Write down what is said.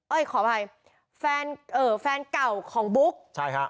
เอ้ยขออภัยแฟนเก่าของบุ๊กใช่ค่ะ